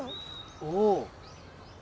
おお。